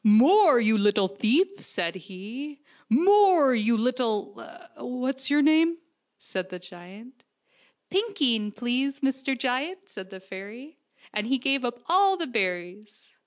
"More, you little thief!" said he. "More,, you little what's your name? " said the giant, " Pinkeen, please, Mr. Giant," said the fairy, as he gave up all the berries.